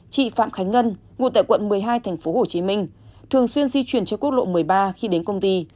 chị phạm khánh ngân ngụ tại quận một mươi hai tp hcm thường xuyên di chuyển cho quốc lộ một mươi ba khi đến công ty